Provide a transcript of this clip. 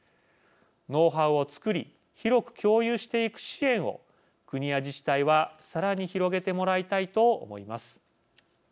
ノウハウを創り広く共有していく支援を国や自治体はさらに広げてもらいたいと思います。